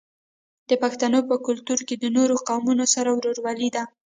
د پښتنو په کلتور کې د نورو قومونو سره ورورولي ده.